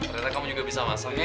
rere kamu juga bisa masak ya